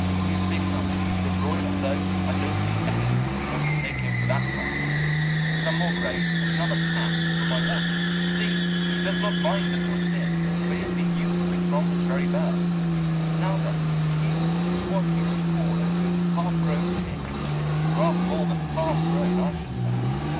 He is big enough for a broiler, though I don't think any one would want to take him for that purpose. Some more grain, and another tap from my wand. See! He does not mind the little stick, for he has been used to it from his very birth. Now, then, he is what you would call a good half grown chick. Rather more than half grown, I should say.